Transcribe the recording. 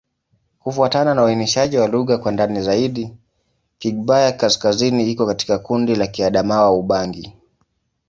Kufuatana na uainishaji wa lugha kwa ndani zaidi, Kigbaya-Kaskazini iko katika kundi la Kiadamawa-Ubangi.